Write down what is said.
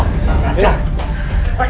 lagi malah aja